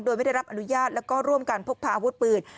โดยไม่ได้รับอนุญาตแล้วก็ร่วมกันพกพาอาวุธปืน